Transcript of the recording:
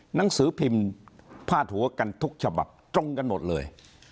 หนังสือพิมพ์พาดหัวกันทุกฉบับตรงกันหมดเลย